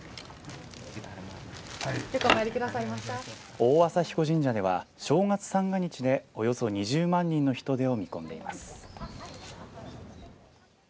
大麻比古神社では正月三が日でおよそ２０万人の人出を見込んでいます。